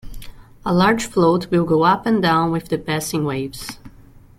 A large float will go up and down with the passing waves.